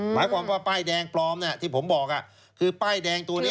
หมายความว่าป้ายแดงปลอมที่ผมบอกคือป้ายแดงตัวนี้